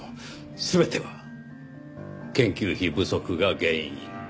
全ては研究費不足が原因。